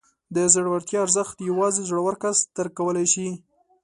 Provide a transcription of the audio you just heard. د زړورتیا ارزښت یوازې زړور کس درک کولی شي.